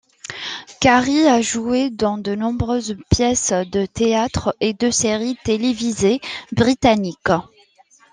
Carrie a joué dans de nombreuses pièces de théâtre et de séries télévisées britanniques.